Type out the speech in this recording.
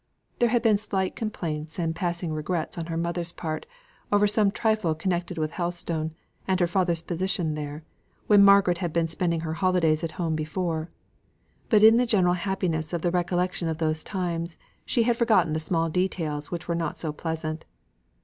There had been slight complaints and passing regrets on her mother's part, over some trifle connected with Helstone, and her father's position there, when Margaret had been spending her holidays at home before; but in the general happiness of the recollection of those times, she had forgotten the small details which were not so pleasant.